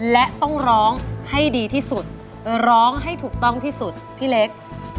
และต้องร้องให้ดีที่สุดร้องให้ถูกต้องที่สุดพี่เล็ก